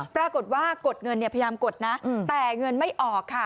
ปรากฏว่ากดเงินเนี่ยพยายามกดนะแต่เงินไม่ออกค่ะ